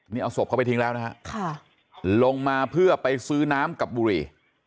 นี่เอาศพเขาไปทิ้งแล้วนะฮะลงมาเพื่อไปซื้อน้ำกับบุรี